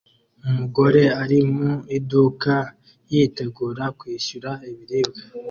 Umugore ari mu iduka yitegura kwishyura ibiribwa